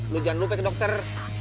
lu jangan lupa ke dokter